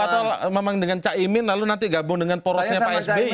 atau memang dengan cak imin lalu nanti gabung dengan porosnya pak sbi